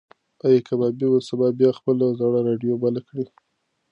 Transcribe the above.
ایا کبابي به سبا بیا خپله زړه راډیو بله کړي؟